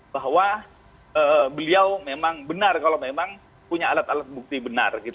bahwa beliau memang benar kalau memang punya alat alat bukti benar